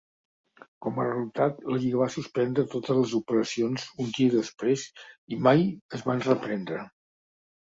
Com a resultat, la lliga va suspendre totes les operacions un dia després i mai es van reprendre.